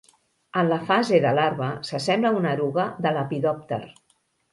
En la fase de larva s'assembla a una eruga de lepidòpter.